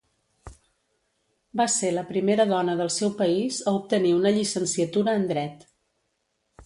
Va ser la primera dona del seu país a obtenir una llicenciatura en dret.